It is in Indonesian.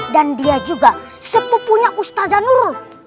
dan dia juga sepupunya ustadz zanurul